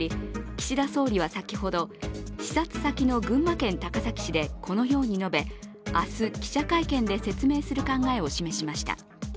岸田総理は先ほど、視察先の群馬県高崎市でこのように述べ明日、記者会見で説明する考えを示しました。